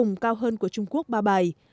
hội nghị cuối cùng cao hơn của trung quốc ba bài